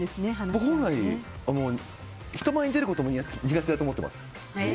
僕本来、人前に出ることも苦手だと思ってます。